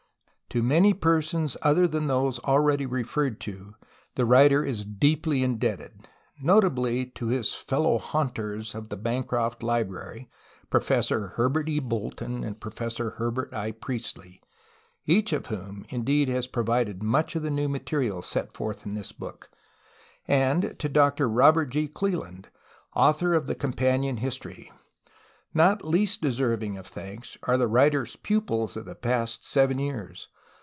To many persons, other than those already referred to, the writer is deeply indebted, notably to his ' 'fellow haunters" of the Bancroft Library, Professor Herbert E. Bolton and Professor Herbert I. Priestley, each of whom, indeed, has provided much of the new material set forth in this book, and to Doctor Robert G. Cleland, author of the companion history. Not least deserving of thanks are the writer's pupils of the past seven years.